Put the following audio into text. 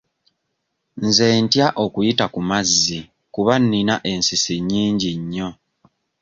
Nze ntya okuyita ku mazzi kuba nnina ensisi nnyingi nnyo.